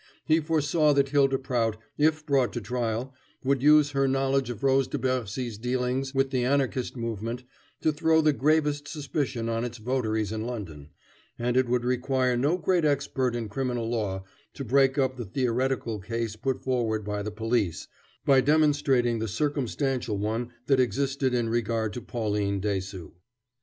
He foresaw that Hylda Prout, if brought to trial, would use her knowledge of Rose de Bercy's dealings with the Anarchist movement to throw the gravest suspicion on its votaries in London, and it would require no great expert in criminal law to break up the theoretical case put forward by the police by demonstrating the circumstantial one that existed in regard to Pauline Dessaulx.